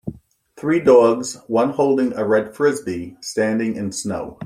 Three dogs, one holding a red Frisbee, standing in snow.